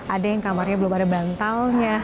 ada yang kamarnya belum ada bantalnya